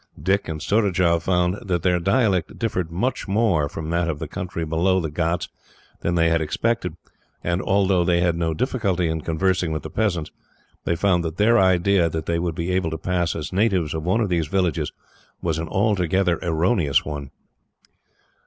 Dick and Surajah found that their dialect differed much more from that of the country below the ghauts than they had expected and, although they had no difficulty in conversing with the peasants, they found that their idea that they would be able to pass as natives of one of these villages was an altogether erroneous one.